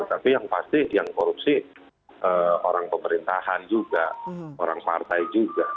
tapi yang pasti yang korupsi orang pemerintahan juga orang partai juga